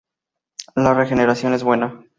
La regeneración es buena.